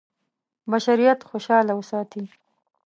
بشریت خوشاله وساتي.